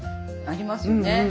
ありますよね。